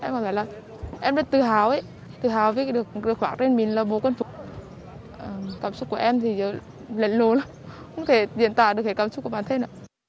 em cảm thấy là em rất tự hào tự hào với được hoạt hình mình là bố quân phục cảm xúc của em thì lệnh lùi lắm không thể diễn tả được cái cảm xúc của bản thân